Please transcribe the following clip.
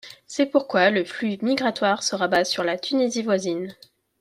C'est pourquoi le flux migratoire se rabat sur la Tunisie voisine.